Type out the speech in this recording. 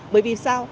bởi vì sao